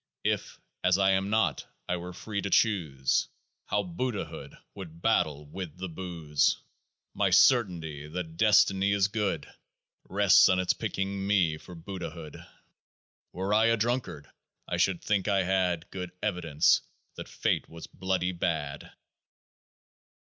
If, as I am not, I were free to choose, How Buddhahood would battle with The Booze ! My certainty that destiny is " good " Rests on its picking me for Buddhahood. Were I a drunkard, I should think I had Good evidence that fate was " bloody bad."